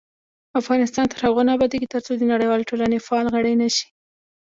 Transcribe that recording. افغانستان تر هغو نه ابادیږي، ترڅو د نړیوالې ټولنې فعال غړي نشو.